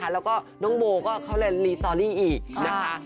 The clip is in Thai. แล้วก็น้องโบก็เขาเรียนรีสตอรี่อีกนะคะ